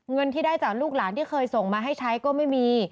เงินที่ได้จากลูกหลานที่เคยส่งมาให้ใช้ก็ไม่มี